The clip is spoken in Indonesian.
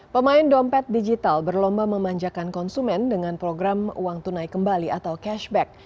pemain dompet digital berlomba memanjakan konsumen dengan program uang tunai kembali atau cashback